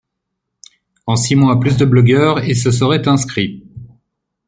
En six mois plus de blogueurs et se seraient inscrits.